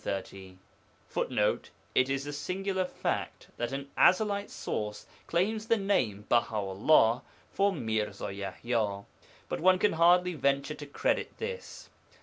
[Footnote: It is a singular fact that an Ezelite source claims the name Baha 'ullah for Mirza Yaḥya. But one can hardly venture to credit this.